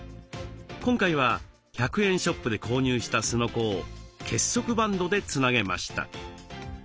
今回は１００円ショップで購入したすのこを結束バンドでつなげました。